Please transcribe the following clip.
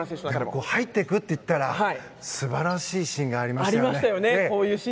入っていくといったら素晴らしいシーンがありました。